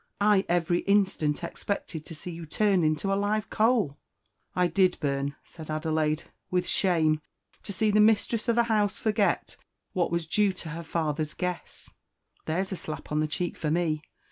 I every instant expected to see you turned into a live coal." "I did burn," said Adelaide, "with shame, to see the mistress of a house forget what was due to her father's guests." "There's a slap on the cheek for me!